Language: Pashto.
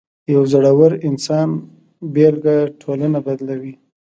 د یو زړور انسان بېلګه ټولنه بدلوي.